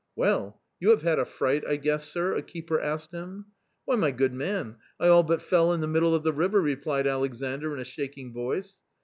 " Well, you have had a fright, I guess, sir ?" a keeper asked him. i( Why, my good man, I all but fell in the middle of the river !" replied Alexandr in a shaking voice.